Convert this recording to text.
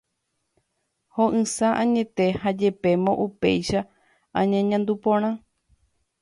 Ho'ysã añete ha jepémo upéicha añeñandu porã.